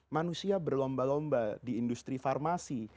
manusia berlomba lomba di industri farmasi